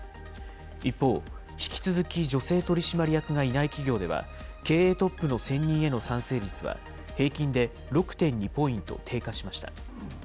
一方、引き続き女性取締役がいない企業では、経営トップの選任への賛成率は平均で６．２ポイント低下しました。